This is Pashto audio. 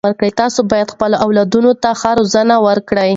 تاسې باید خپلو اولادونو ته ښه روزنه ورکړئ.